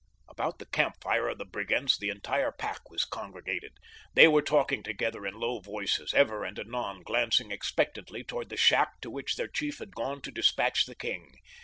About the camp fire of the brigands the entire pack was congregated. They were talking together in low voices, ever and anon glancing expectantly toward the shack to which their chief had gone to dispatch the king.